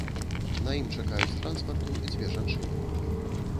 На ім чакаюць транспарту дзве жанчыны.